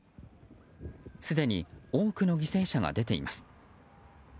すでに多くの犠牲者が出ています。